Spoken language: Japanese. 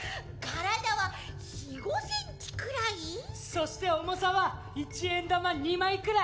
そして重さは一円玉２枚くらい。